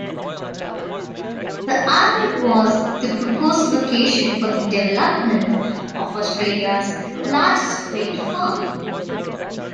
The island was the proposed location for the development of Australia's largest wind farm.